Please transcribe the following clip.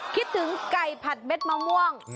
คิดถึงไก่ผัดเด็ดมะม่วง